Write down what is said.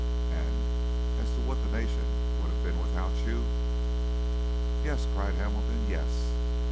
And as to what the nation would have been without you " "Yes!" cried Hamilton. "Yes!